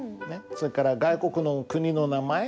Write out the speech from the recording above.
それから外国の国の名前？